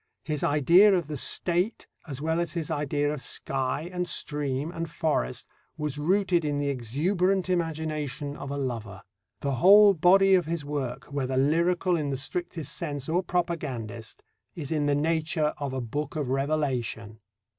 His idea of the State as well as his idea of sky and stream and forest was rooted in the exuberant imagination of a lover. The whole body of his work, whether lyrical in the strictest sense or propagandist, is in the nature of a Book of Revelation.